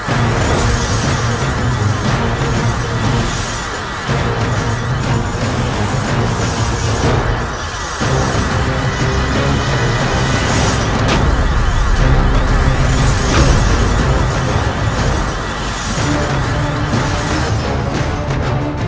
aku ingin millor jentuh